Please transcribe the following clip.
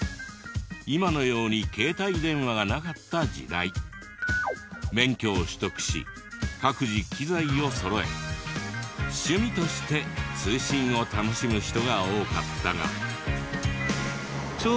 今のように携帯電話がなかった時代免許を取得し各自機材をそろえ趣味として通信を楽しむ人が多かったが。